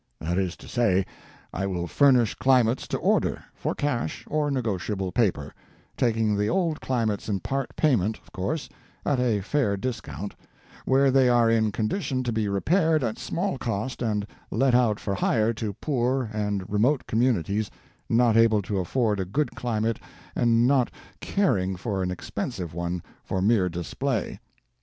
That is to say, I will furnish climates to order, for cash or negotiable paper, taking the old climates in part payment, of course, at a fair discount, where they are in condition to be repaired at small cost and let out for hire to poor and remote communities not able to afford a good climate and not caring for an expensive one for mere display.